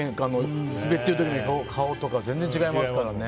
滑ってる時の顔とかも全然違いますからね。